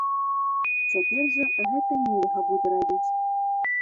Цяпер жа гэта нельга будзе рабіць.